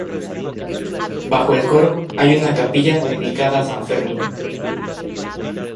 Bajo del coro hay una capilla dedicada a San Fermín.